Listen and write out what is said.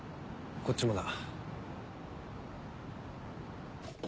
こっちもだ。